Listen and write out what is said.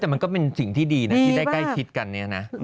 แต่มันก็เป็นสิ่งที่ดีนะที่ได้ใกล้ชิดกันเนี่ยนะ